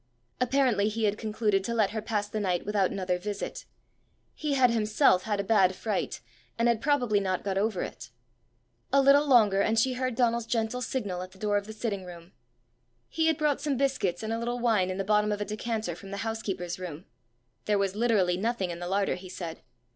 Apparently he had concluded to let her pass the night without another visit: he had himself had a bad fright, and had probably not got over it. A little longer and she heard Donal's gentle signal at the door of the sitting room. He had brought some biscuits and a little wine in the bottom of a decanter from the housekeeper's room: there was literally nothing in the larder, he said.